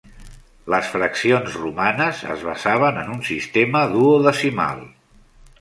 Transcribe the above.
Les fraccions romanes es basaven en un sistema duodecimal.